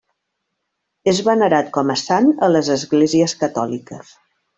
És venerat com a sant a les esglésies catòliques.